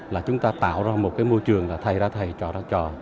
là chúng ta tạo ra một cái môi trường là thay ra thay trò ra trò